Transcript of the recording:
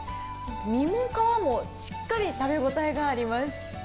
身も皮もしっかり食べ応えがあります。